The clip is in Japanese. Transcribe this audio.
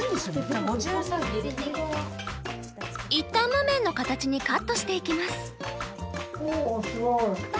一反木綿の形にカットしていきます。